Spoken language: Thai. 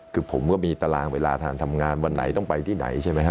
คือผมก็มีตารางเวลาทางทำงานวันไหนต้องไปที่ไหนใช่ไหมฮ